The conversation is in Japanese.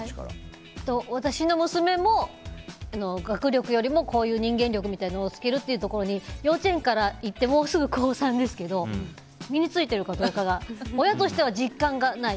私の娘も、学力よりもこういう人間力みたいなものをつけるというところに幼稚園から行ってもうすぐ高３ですけど身に着いているかどうか親としては実感がない。